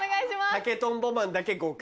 竹とんぼマンだけ合格。